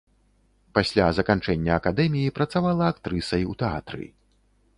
Пасля заканчэння акадэміі працавала актрысай ў тэатры.